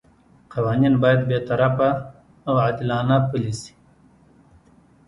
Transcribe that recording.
قوانین باید بې طرفه او عادلانه پلي شي.